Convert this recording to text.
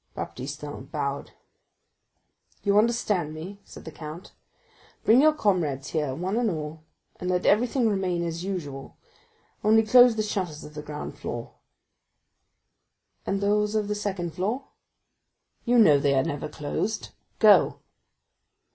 Baptistin bowed. 40150m "You understand me?" said the count. "Bring your comrades here, one and all; but let everything remain as usual, only close the shutters of the ground floor." "And those of the first floor?" "You know they are never closed. Go!"